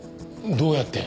どうやって？